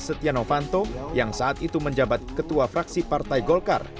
setia novanto yang saat itu menjabat ketua fraksi partai golkar